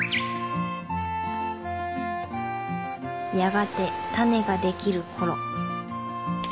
やがてタネができる頃。